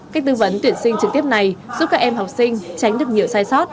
cách tư vấn tuyển sinh trực tiếp này giúp các em học sinh tránh được nhiều sai sót